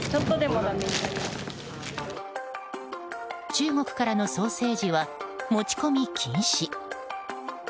中国からのソーセージは持ち込み禁止。